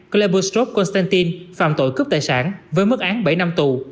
klebustrop konstantin phạm tội cướp tài sản với mức án bảy năm tù